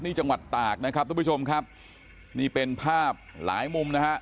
นี่จังหวัดตากนะครับทุกผู้ชมครับนี่เป็นภาพหลายมุมนะฮะ